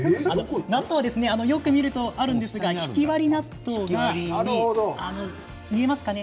納豆はよく見るとあるんですがひき割り納豆が見えますかね。